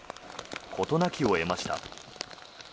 事なきを得ました。